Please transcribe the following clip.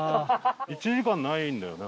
１時間ないんだよね？